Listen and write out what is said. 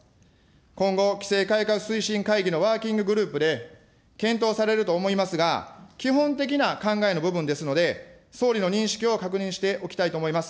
今後、規制改革推進会議のワーキンググループで、検討されると思いますが、基本的な考えの部分ですので、総理の認識を確認しておきたいと思います。